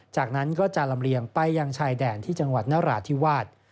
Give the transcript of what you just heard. จากนั้นก็จะลำเลียงไปยังชายแดนที่จังหวัดนราธิวาส